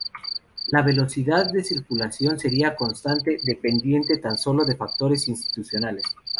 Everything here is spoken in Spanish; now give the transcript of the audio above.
La velocidad de circulación sería constante, dependiente tan sólo de factores institucionales.